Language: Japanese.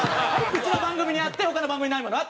「うちの番組にあって他の番組にないものは？」